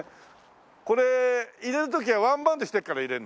これ入れる時はワンバウンドしてから入れるの？